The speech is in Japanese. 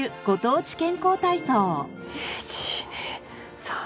ご当地健康体操。